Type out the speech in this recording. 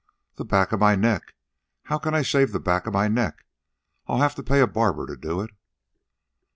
"The back of my neck how can I shave the back of my neck? I'll have to pay a barber to do it."